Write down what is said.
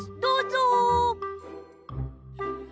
どうぞ！